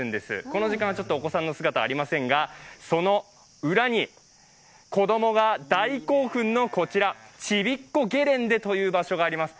この時間、お子さんの姿はありませんが、その裏に子供が大興奮のこちら、ちびっこゲレンデという場所があります。